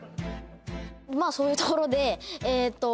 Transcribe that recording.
まあそういうところでええと